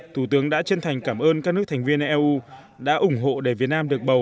thủ tướng đã chân thành cảm ơn các nước thành viên eu đã ủng hộ để việt nam được bầu